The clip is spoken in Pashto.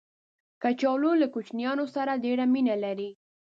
کچالو له کوچنیانو سره ډېر مینه لري